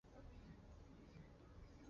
附近有云母产出。